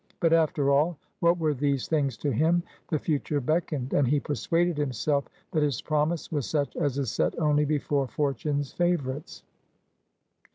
But, after all, what were these things to him? The future beckoned, and he persuaded himself that its promise was such as is set only before fortune's favourites.